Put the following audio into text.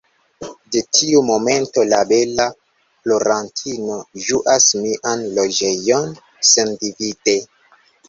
De tiu momento, la bela plorantino ĝuas mian loĝejon sendivide.